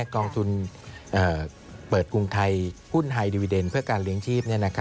กองทุนเปิดกรุงไทยหุ้นไฮดิวีเดนเพื่อการเลี้ยงชีพ